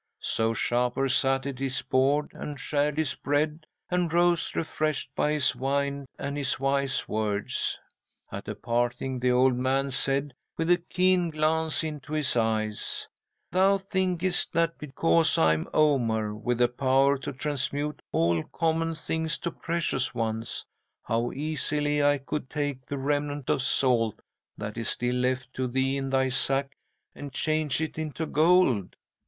"'So Shapur sat at his board and shared his bread, and rose refreshed by his wine and his wise words. And at parting, the old man said, with a keen glance into his eyes: "Thou thinkest that because I am Omar, with the power to transmute all common things to precious ones, how easily I could take the remnant of salt that is still left to thee in thy sack and change it into gold.